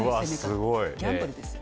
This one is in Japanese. ギャンブルですよ。